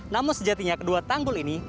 namun sejatinya kedua tanggul ini